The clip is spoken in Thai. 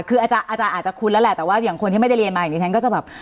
คืออาจารย์อาจจะคุ้นแล้วแหละแต่ว่าอย่างคนที่ไม่ได้เรียนมาอย่างนี้ฉันก็จะแบบ